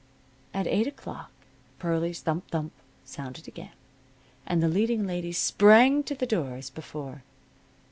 At eight o'clock Pearlie's thump thump sounded again, and the leading lady sprang to the door as before.